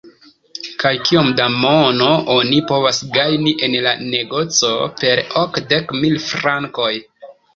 kaj kiom da mono oni povas gajni en la negoco per okdek mil frankoj?